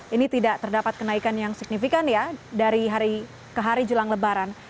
ini tidak terdapat kenaikan yang signifikan ya dari hari ke hari jelang lebaran